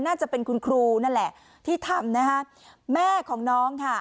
น่าจะเป็นคุณครูนั่นแหละที่ทำนะคะแม่ของน้องค่ะ